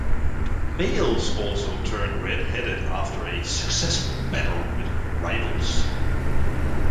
Males also turn red-headed after a successful battle with rivals.